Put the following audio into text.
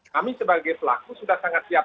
kami sebagai pelaku sudah sangat siap